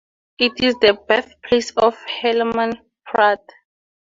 It is the birthplace of Helaman Pratt.